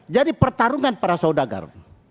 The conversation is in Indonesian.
jadi pertarungan para saudagar